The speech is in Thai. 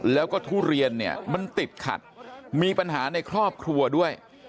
แล้วก็ทุเรียนเนี่ยมันติดขัดมีปัญหาในครอบครัวด้วย